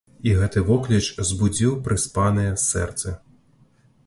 І гэты вокліч збудзіў прыспаныя сэрцы.